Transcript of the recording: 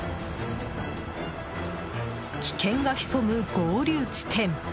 危険が潜む合流地点。